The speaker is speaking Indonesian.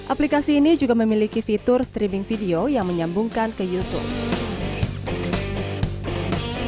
aplikasi ini juga memiliki fitur streaming video yang menyambungkan ke youtube